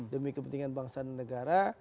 demi kepentingan bangsa dan negara